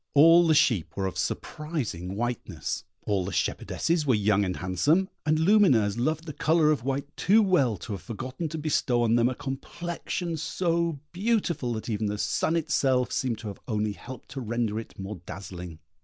All the sheep were of surprising whiteness; all the shepherdesses were young and handsome; and Lumineuse loved the colour of white too well to have forgotten to bestow on them a complexion so beautiful that even the sun itself seemed to have only helped to render it more dazzling.